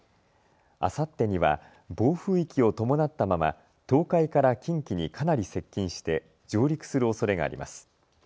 あさってには暴風域を伴ったまま東海から近畿にかなり接近して上陸するおそれがあります。